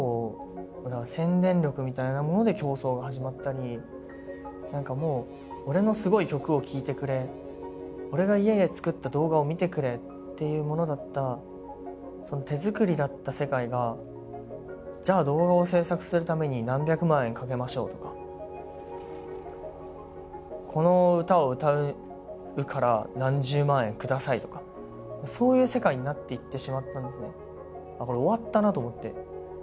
お金の力を何かもう俺のすごい曲を聴いてくれ俺が家で作った動画を見てくれっていうものだったその手作りだった世界が「じゃあ動画を制作するために何百万円かけましょう」とか「この歌を歌うから何十万円下さい」とかそういう世界になっていってしまったんですね。